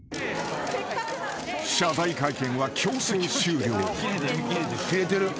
［謝罪会見は強制終了］